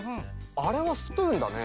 あれはスプーンだね。